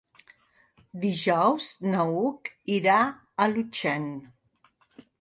Dijous n'Hug irà a Llutxent.